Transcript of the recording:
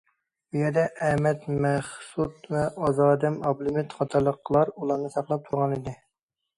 بۇ يەردە ئەمەت مەخسۇت ۋە ئازادەم ئابلىمىت قاتارلىقلار ئۇلارنى ساقلاپ تۇرغانىدى.